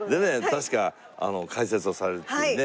確か解説をされるっていうね。